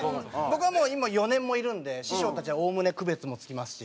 僕はもう今４年もいるんで師匠たちはおおむね区別もつきますし。